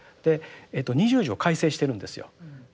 二十条を改正しているんですよ。